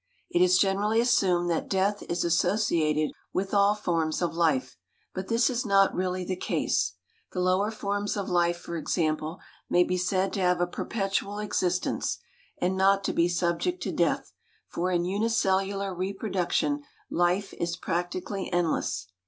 It is generally assumed that death is associated with all forms of life, but this is not really the case. The lower forms of life, for example, may be said to have a perpetual existence, and not to be subject to death; for in unicellular reproduction life is practically endless.